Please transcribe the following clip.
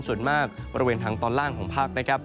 ส่วนมากบริเวณทางตอนล่างของภาค